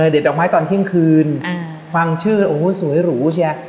เด็ดดอกไม้ตอนเที่ยงคืนฟังชื่อโอ้โหสวยหรูเชีย